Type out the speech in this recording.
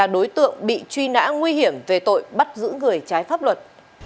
ba đối tượng bị truy nã nguy hiểm về tội bắt giữ người trái pháp luật